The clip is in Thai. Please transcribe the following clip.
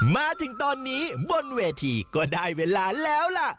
มาถึงตอนนี้บนเวทีก็ได้เวลาแล้วล่ะ